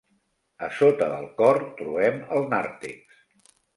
A sota del cor trobem el nàrtex.